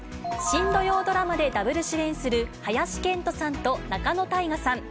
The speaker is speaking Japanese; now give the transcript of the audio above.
新土曜ドラマでダブル主演する林遣都さんと仲野太賀さん。